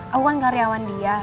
aku kan karyawan dia